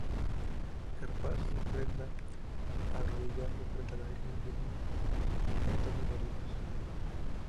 Gaspar hace su ofrenda, arrodillado frente a la Virgen, viste en tonos verdosos.